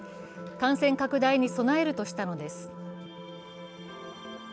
感染拡大に備えるとしたのです。